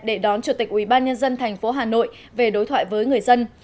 để đón chủ tịch ubnd tp hà nội về đối thoại với người dân